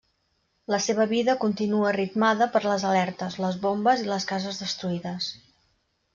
La seva vida continua, ritmada per les alertes, les bombes, i les cases destruïdes.